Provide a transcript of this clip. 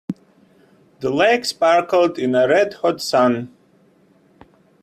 The lake sparkled in the red hot sun.